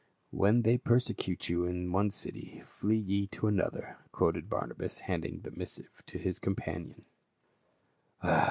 " When they persecute }'Ou in one city flee ye to another," quoted Barnabas, handing the missive to his companion.